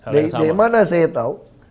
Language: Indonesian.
dari mana saya tahu